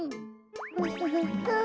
フフフフン。